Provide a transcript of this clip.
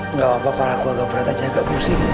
enggak apa apa pak aku agak berat aja agak pusing